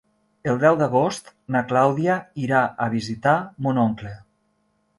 El deu d'agost na Clàudia irà a visitar mon oncle.